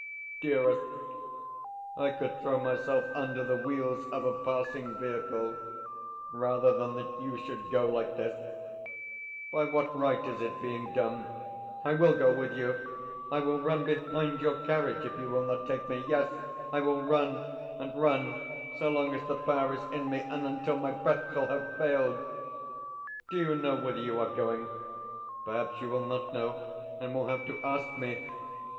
Dearest, I could throw myself under the wheels of a passing vehicle rather than that you should go like this. By what right is it being done?... I will go with you; I will run behind your carriage if you will not take me yes, I will run, and run so long as the power is in me, and until my breath shall have failed. Do you know whither you are going? Perhaps you will not know, and will have to ask me?